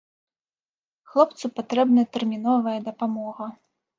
Хлопцу патрэбна тэрміновая дапамога.